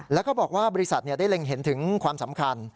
แล้วก็บอกว่าบริษัทได้เล็งเห็นถึงความสำคัญ